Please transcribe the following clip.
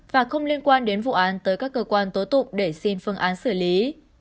và không liên quan đến vụ án tới các cơ quan tố tụng để xin phương án xử lý